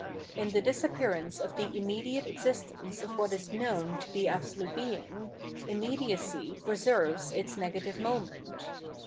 In the disappearance of the immediate existence of what is known to be Absolute Being, im mediacy preserves its negative moment.